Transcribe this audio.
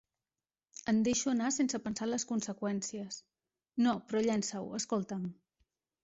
Em deixo anar sense pensar en les conseqüències:No, però llença-ho, escolta'm.